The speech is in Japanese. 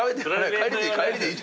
帰りでいい。